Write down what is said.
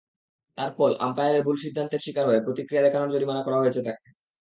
তার ফল—আম্পায়ারের ভুল সিদ্ধান্তের শিকার হয়ে প্রতিক্রিয়া দেখানোয় জরিমানা করা হয়েছে তাঁকে।